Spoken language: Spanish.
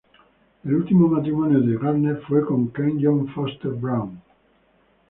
El último matrimonio de Garner fue con Kenyon Foster Brown.